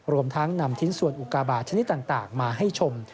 รวมทั้งนำชิ้นส่วนอุกาบาทชนิดต่างมาให้ชม